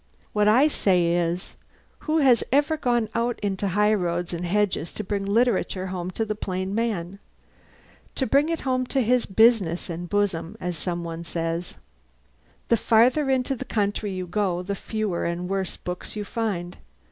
What I say is, who has ever gone out into high roads and hedges to bring literature home to the plain man? To bring it home to his business and bosom, as somebody says? The farther into the country you go, the fewer and worse books you find.